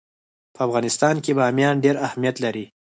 په افغانستان کې بامیان ډېر اهمیت لري.